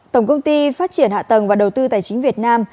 tổng công ty phát triển hạ tầng và đầu tư tài chính việt nam